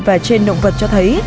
và trên động vật cho thấy